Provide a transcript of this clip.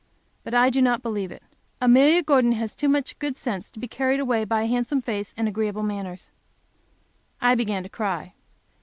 But I do not believe it. Amelia Gordon has too much good sense to be carried away by a handsome face and agreeable manners." I began to cry.